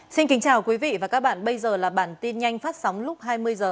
chào mừng quý vị đến với bản tin nhanh phát sóng lúc hai mươi h